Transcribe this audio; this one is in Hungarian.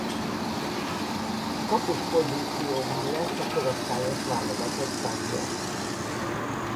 Kapus pozícióban lett a korosztályos válogatott tagja.